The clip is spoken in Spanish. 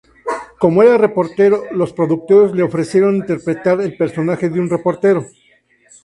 Como era reportero, los productores le ofrecieron interpretar el personaje de un reportero.